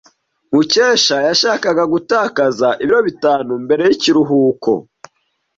Mukesha yashakaga gutakaza ibiro bitanu mbere yikiruhuko.